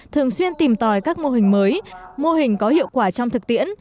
thường xuyên tìm tòi các mô hình mới mô hình có hiệu quả trong thực tiễn